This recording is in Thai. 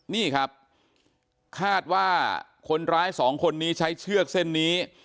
นี่ครับคาดว่าคนร้ายสองคนนี้ใช้เชือกเส้นนี้